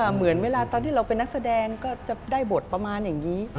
เหมือนเวลาตอนที่เราเป็นนักแสดงก็จะได้บทประมาณอย่างนี้